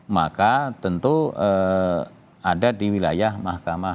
maka tentu ada di wilayah mahkamah